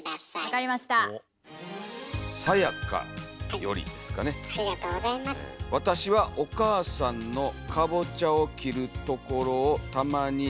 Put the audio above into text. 「わたしはお母さんのかぼちゃを切るところをたまに見ます。